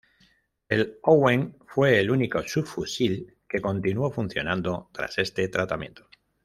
El Owen fue el único subfusil que continuó funcionando tras este tratamiento.